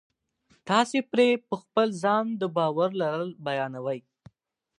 تاسې پرې په خپل ځان د باور لرل بیانوئ